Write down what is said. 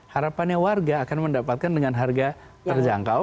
harapannya warga akan mendapatkan dengan harga terjangkau